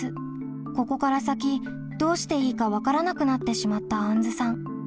ここから先どうしていいか分からなくなってしまったあんずさん。